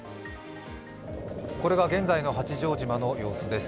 これが現在の八丈島の様子です。